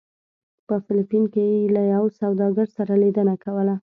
په فلپین کې یې له یو سوداګر سره لیدنه کوله.